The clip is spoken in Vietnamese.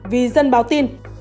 vì dân báo tin